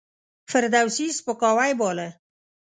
فردوسي سپکاوی باله.